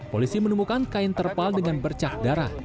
polisi menemukan kain terpal dengan bercak darah